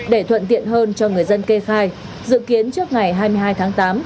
để thuận tiện hơn cho người dân kê khai dự kiến trước ngày hai mươi hai tháng tám